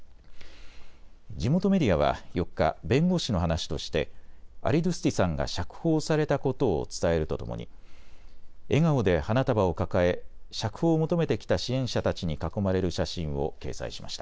地元メディアは４日、弁護士の話としてアリドゥスティさんが釈放されたことを伝えるとともに笑顔で花束を抱え釈放を求めてきた支援者たちに囲まれる写真を掲載しました。